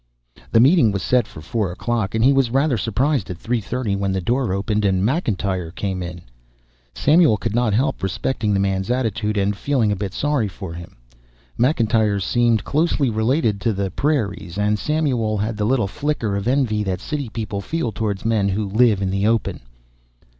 The meeting was set for four o'clock, and he was rather surprised at three thirty when the door opened and McIntyre came in. Samuel could not help respecting the man's attitude, and feeling a bit sorry for him. McIntyre seemed closely related to the prairies, and Samuel had the little flicker of envy that city people feel toward men who live in the open.